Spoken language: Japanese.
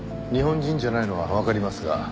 日本人じゃないのはわかりますが。